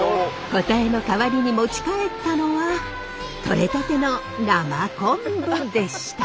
答えの代わりに持ち帰ったのは取れたての生コンブでした。